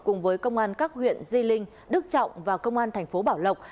cùng với công an các huyện di linh đức trọng và công an tp bảo lộc